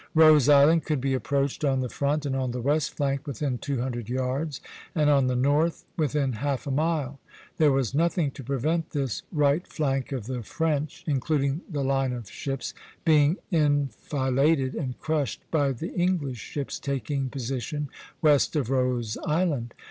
Rose Island could be approached on the front and on the west flank within two hundred yards, and on the north within half a mile. There was nothing to prevent this right flank of the French, including the line of ships, being enfiladed and crushed by the English ships taking position west of Rose Island.